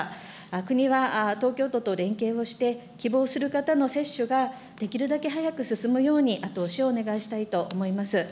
国は東京都と連携をして、希望する方の接種ができるだけ早く進むように、後押しをお願いしたいと思います。